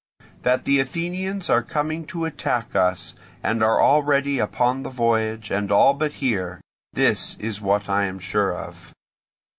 That the Athenians are coming to attack us, and are already upon the voyage, and all but here—this is what I am sure of."